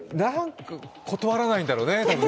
断らないんだろうね、たぶんね。